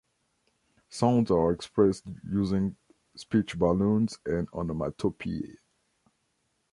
Sounds are expressed using speech balloons and onomatopoeia.